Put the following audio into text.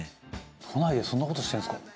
「都内でそんな事してるんですか？」